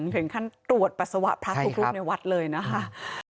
ถึงขั้นตรวจปัสสาวะพระทุกรูปในวัดเลยนะคะ